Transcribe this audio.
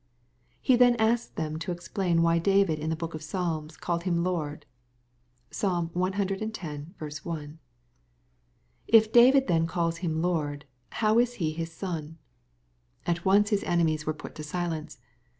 He then asks them to explain, why David in the book of Psalms calls Him Lord. (Psalm ex. 1.) "If David then calls him Lord, how is he his son ?" At once His enemies were put to silence.